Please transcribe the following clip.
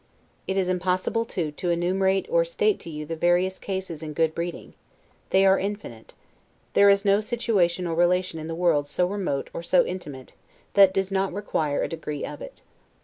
It is impossible, too, to enumerate or state to you the various cases in good breeding; they are infinite; there is no situation or relation in the world so remote or so intimate, that does not require a degree of it.